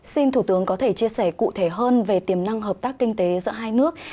xin thủ tướng có thể chia sẻ cụ thể hơn về tiềm năng hợp tác kinh tế giữa hai nước